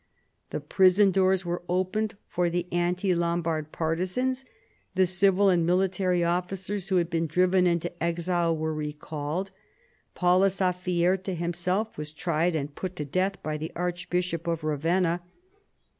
The prison doors were opened for the anti Lombard partizans, the civil and military officers who had been driven into exile were recalled. Paulus Afiarta him self was tried and put to death by the Archbishop of Ravenna.